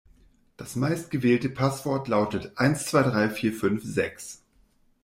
Das meistgewählte Passwort lautet eins zwei drei vier fünf sechs.